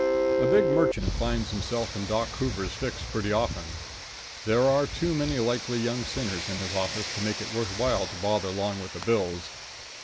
A big merchant finds himself in Doc Hoover's fix pretty often. There are too many likely young sinners in his office to make it worth while to bother long with the Bills.